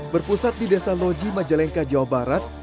berpusat di desa loji majalengka jawa barat